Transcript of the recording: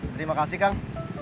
terima kasih kang